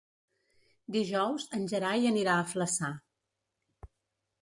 Dijous en Gerai anirà a Flaçà.